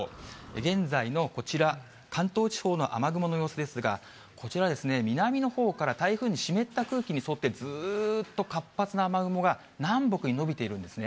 現在のこちら、関東地方の雨雲の様子ですが、こちら、南のほうから台風の湿った空気に沿って、ずーっと活発な雨雲が南北に延びているんですね。